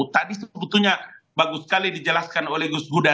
tadi sebetulnya bagus sekali dijelaskan oleh gus guda